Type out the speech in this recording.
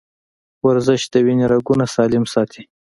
ورزش د وینې رګونه سالم ساتي.